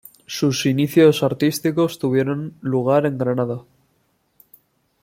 Sus inicios artísticos tuvieron lugar en Granada.